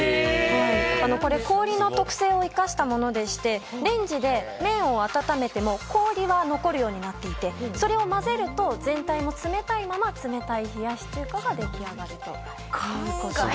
これ氷の特性を生かしたものでしてレンジで麺を温めても氷は残るようになっていてそれを交ぜると全体が冷たいまま冷たい冷やし中華が出来上がると。